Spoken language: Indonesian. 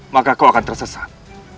maka kau akan tersesat